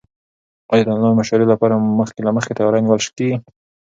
ایا د انلاین مشاعرو لپاره مخکې له مخکې تیاری نیول کیږي؟